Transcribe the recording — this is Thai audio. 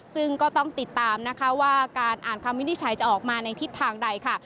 ซึ่งก็ต้องติดตามนะคะว่าการอ่านคำวินิจฉัยจะออกมาในทิศทางใดค่ะ